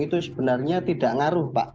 itu sebenarnya tidak ngaruh pak